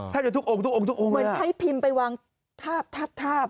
แทบจะทุกองค์เลยล่ะเหมือนใช้พิมพ์ไปวางทาบ